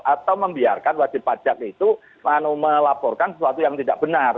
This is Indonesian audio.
atau membiarkan wajib pajak itu melaporkan sesuatu yang tidak benar